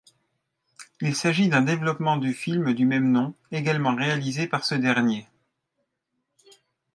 Il s'agit d'un développement du film du même nom également réalisé par ce dernier.